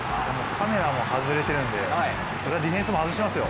カメラも外れてるんでそりゃディフェンスも外しますよ。